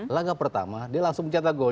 laga pertama dia langsung mencetak gol